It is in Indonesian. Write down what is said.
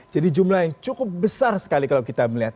jadi jumlah yang cukup besar sekali kalau kita melihat